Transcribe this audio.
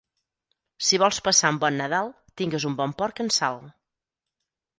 Si vols passar un bon Nadal tingues un bon porc en sal.